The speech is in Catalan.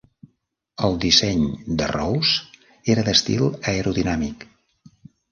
El disseny de Rowse era d'estil aerodinàmic.